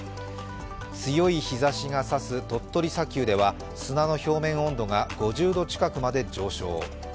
強い日ざしが差す鳥取砂丘では砂の表面温度が５０近くまで上昇。